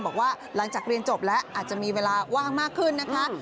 บอกว่าหลังจากเรียนจบแล้วอาจจะมีเวลาว่างมากขึ้นนะคะ